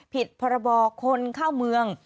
ผิดพรบคนเข้าเมือง